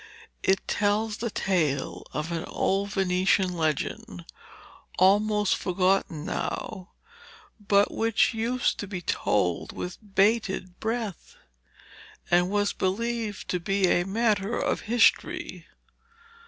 It tells the tale of an old Venetian legend, almost forgotten now, but which used to be told with bated breath, and was believed to be a matter of history.